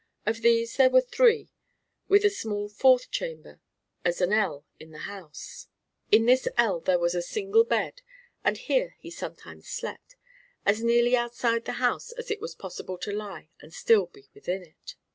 Of these there were three, with a small fourth chamber as an ell in the house: in this ell there was a single bed, and here he sometimes slept as nearly outside the house as it was possible to lie and still to be within it.